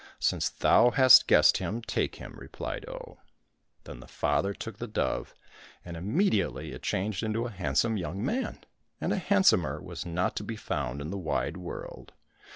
—" Since thou hast guessed him, take him," replied Oh. Then the father took the dove, and immediately it 20 OH: THE TSAR OF THE FOREST changed into a handsome young man, and a handsomer was not to be found in the wide world.